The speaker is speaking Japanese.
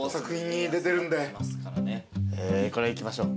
これは行きましょう。